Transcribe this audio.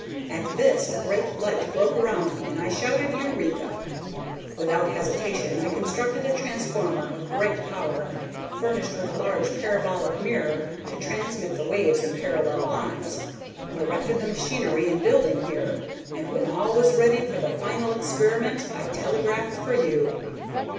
At this a great light broke around me, and I shouted 'Eureka!' Without hesitation I constructed a transformer of great power, furnished with a large parabolic mirror to transmit the waves in parallel lines, erected the machinery and buildings here, and when all was ready for the final experiment I telegraphed for you."